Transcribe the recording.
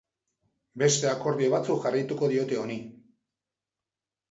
Beste akordio batzuk jarraituko diote honi.